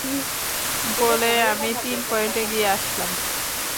পোলে আমি তিন পয়েন্ট এগিয়ে আসলাম!